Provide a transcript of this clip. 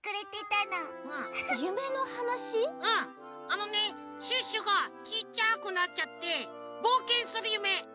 あのねシュッシュがちいちゃくなっちゃってぼうけんするゆめ！